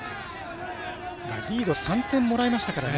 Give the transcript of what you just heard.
リード３点もらいましたからね。